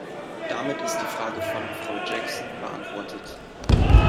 Damit ist die Frage von Frau Jackson beantwortet.